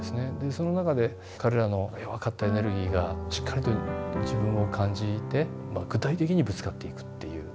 その中で彼らの弱かったエネルギーがしっかりと自分を感じて具体的にぶつかっていくっていう。